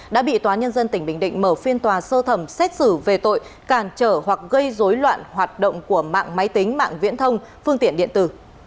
đã bị tòa nhân dân tỉnh bình định mở phiên tòa sơ thẩm xét xử về tội cản trở hoặc gây dối loạn hoạt động của mạng máy tính mạng viễn thông phương tiện điện tử